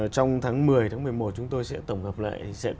trong tháng một mươi tháng một mươi một chúng tôi sẽ tổng hợp lại